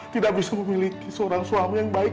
tidak bisa memiliki seorang suami yang baik